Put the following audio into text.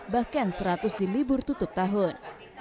bahkan seratus di libur tutup tahun